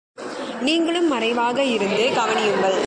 நீங்களும் மறைவாக இருந்து கவனியுங்கள்.